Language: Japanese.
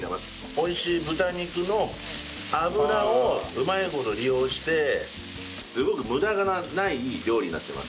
美味しい豚肉の脂をうまいほど利用してすごく無駄がない料理になってます。